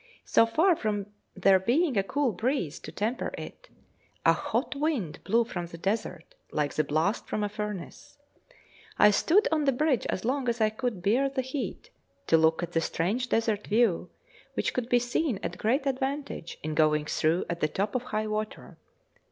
So far from there being a cool breeze to temper it, a hot wind blew from the desert, like the blast from a furnace. I stood on the bridge as long as I could bear the heat, to look at the strange desert view, which could be seen to great advantage in going through at the top of high water.